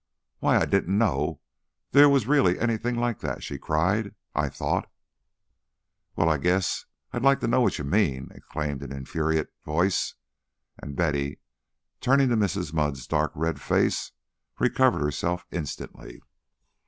"Why, I didn't know there really was anything like that!" she cried. "I thought " "Well, I guess I'd like to know what you mean," exclaimed an infuriate voice; and Betty, turning to Mrs. Mudd's dark red face, recovered herself instantly.